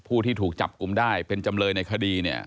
ผู้ที่ถูกจับกลุ่มได้เป็นจำเลยในคดีเนี่ย